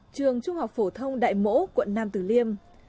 trường trung học phổ thông đại mỗ quận nam tử liêm